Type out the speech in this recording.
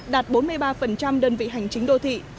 đạt bốn mươi ba đơn vị hành chính đô thị